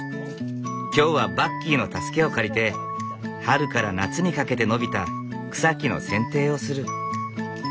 今日はバッキーの助けを借りて春から夏にかけて伸びた草木の剪定をする。